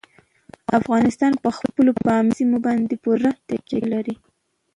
افغانستان په خپلو پامیر سیمو باندې پوره تکیه لري.